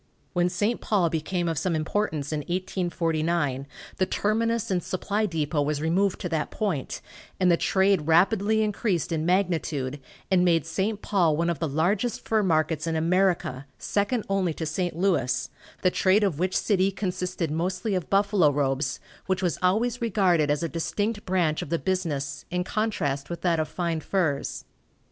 When St. Paul became of some importance in 1849 the terminus and supply depot was removed to that point, and the trade rapidly increased in magnitude, and made St. Paul one of the largest fur markets in America, second only to St. Louis, the trade of which city consisted mostly of buffalo robes, which was always regarded as a distinct branch of the business, in contrast with that of fine furs.